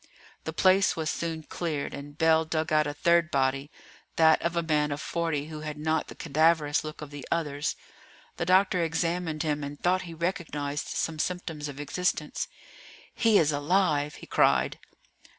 The place was soon cleared, and Bell dug out a third body, that of a man of forty, who had not the cadaverous look of the others. The doctor examined him and thought he recognised some symptoms of existence. "He is alive!" he cried.